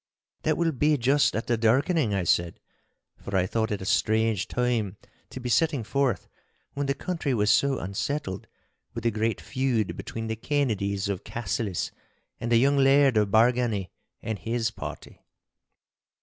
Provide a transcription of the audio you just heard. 'That will be just at the darkening,' I said, for I thought it a strange time to be setting forth, when the country was so unsettled with the great feud between the Kennedies of Cassilis and the young Laird of Bargany and his party.